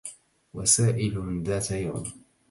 وسائل ذات يوم